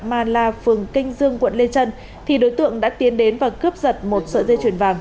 ma la phường kinh dương quận lê trân thì đối tượng đã tiến đến và cướp giật một sợi dây chuyền vàng